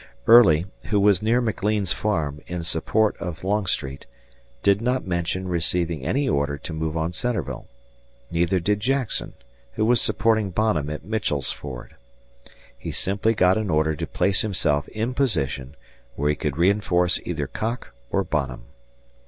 Early, who was near McLean's farm in support of Longstreet, did not mention receiving any order to move on Centreville; neither did Jackson, who was supporting Bonham at Mitchell's Ford. He simply got an order to place himself in position where he could reinforce either Cocke or Bonham.